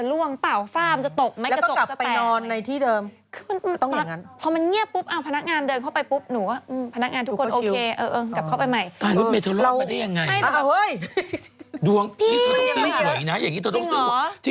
ดวงนี่เธอต้องซื้อสวยนะจริงหรอ